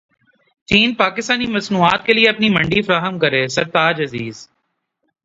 چین پاکستانی مصنوعات کیلئے اپنی منڈی فراہم کرے سرتاج عزیز